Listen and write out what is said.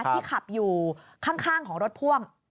ที่ขับอยู่ข้างของรถพ่วง